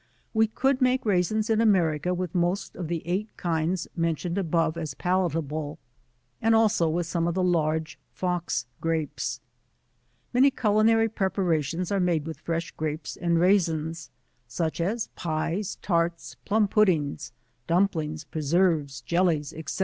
We could make raisins in America with most of the 8 kinds mentioned above as palatable, and also with ",ime of the large Fox Grapes. Many culinary preparations are made with fresh Grapes and Raisins, such as pies, tarts, plumb puddings, dumplings, preserves, jellies, &c.